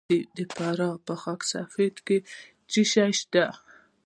د فراه په خاک سفید کې څه شی شته؟